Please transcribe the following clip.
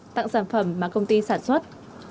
tặng sản phẩm mà công ty sản xuất